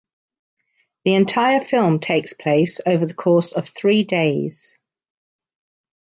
The entire film takes place over the course of three days.